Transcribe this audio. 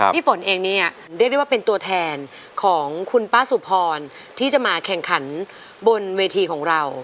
ฝนเองเนี่ยเรียกได้ว่าเป็นตัวแทนของคุณป้าสุพรที่จะมาแข่งขันบนเวทีของเรา